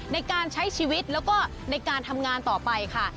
ในการใช้ชีวิตแล้วก็ในการทำงานต่อไปค่ะ